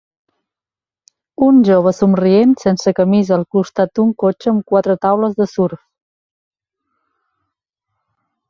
Un jove somrient sense camisa al costat d'un cotxe amb quatre taules de surf.